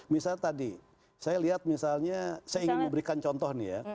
misalnya tadi saya ingin memberikan contoh nih ya